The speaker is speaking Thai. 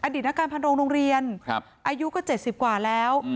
ตนักการพันโรงโรงเรียนอายุก็๗๐กว่าแล้ว